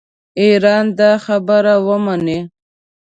ایران دا خبره ومني.